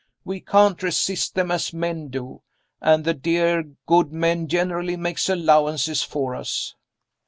We can't resist them as men do; and the dear good men generally make allowances for us.